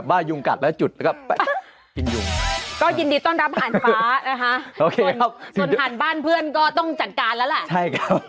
อันยุ้งกัดคืออะไร